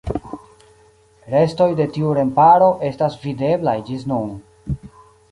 Restoj de tiu remparo estas videblaj ĝis nun.